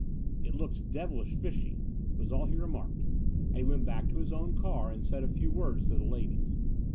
"It looks devilish fishy," was all he remarked; and he went back to his own car and said a few words to the ladies.